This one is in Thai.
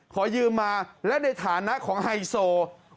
ขอยืมมาและในฐานะของไฮโซลูกนัด